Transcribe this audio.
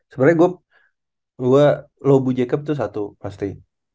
sebenernya gua lobu jacob tuh satu pasti